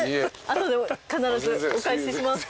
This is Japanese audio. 後で必ずお返しします。